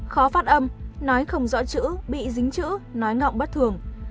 khó phát âm nói không rõ chữ bị dính chữ nói ngọng bất thường